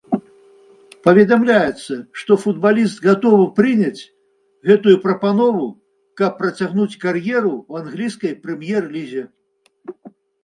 Паведамляецца, што футбаліст гатовы прыняць гэтую прапанову, каб працягнуць кар'еру ў англійскай прэм'ер-лізе.